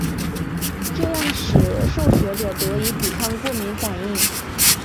这样使得受血者得以抵抗过敏反应。